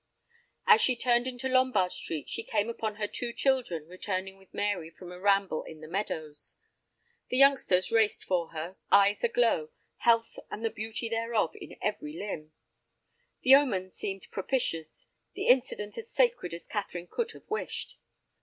As she turned into Lombard Street, she came upon her two children returning with Mary from a ramble in the meadows. The youngsters raced for her, eyes aglow, health and the beauty thereof in every limb. The omen seemed propitious, the incident as sacred as Catherine could have wished.